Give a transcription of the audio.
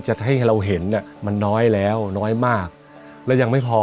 จะให้เราเห็นเนี่ยมันน้อยแล้วน้อยมากแล้วยังไม่พอ